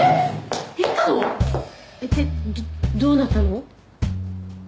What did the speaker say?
えっでどどうなったの？